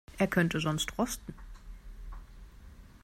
Er könnte sonst rosten.